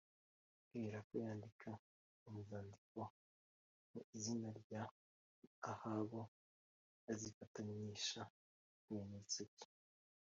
Aherako yandika inzandiko mu izina rya Ahabu azifatanisha ikimenyetso cye